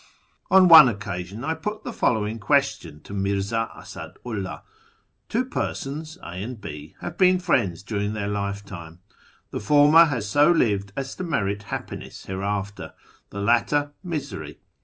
On one occasion I put the following question to Mirza Asadu 'lliih :—" Two persons, A and B, have been friends durinsT; their life time. The former has so lived as to merit happiness hereafter ; the latter, misery.